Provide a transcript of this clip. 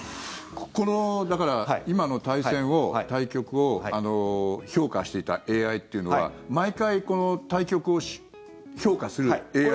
ここの、だから今の対戦を、対局を評価していたＡＩというのは毎回、対局を評価するＡＩなんですか？